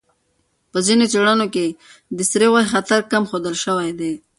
په ځینو څېړنو کې د سرې غوښې خطر کم ښودل شوی دی.